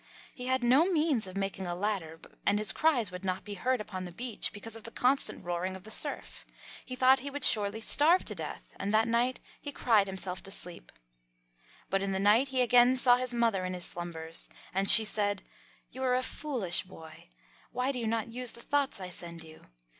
He had no means of making a ladder, and his cries would not be heard upon the beach because of the constant roaring of the surf. He thought he would surely starve to death, and that night he cried himself to sleep. But in the night he again saw his mother in his slumbers. And she said, "You are a foolish boy. Why do you not use the thoughts I send you?